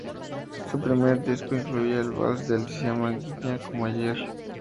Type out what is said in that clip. Su primer disco incluía el vals de Alicia Maguiña""Como Ayer"".